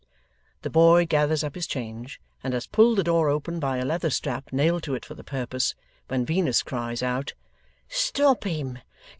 The boy gathers up his change and has pulled the door open by a leather strap nailed to it for the purpose, when Venus cries out: 'Stop him!